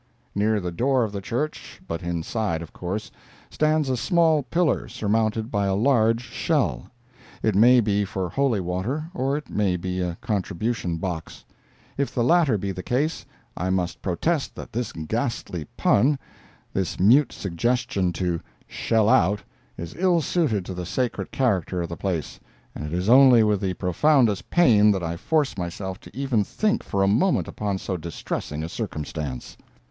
Near the door of the church, but inside, of course, stands a small pillar, surmounted by a large shell. It may be for holy water or it may be a contribution box. If the latter be the case, I must protest that this ghastly pun—this mute suggestion to shell out—is ill suited to the sacred character of the place, and it is only with the profoundest pain that I force myself to even think for a moment upon so distressing a circumstance.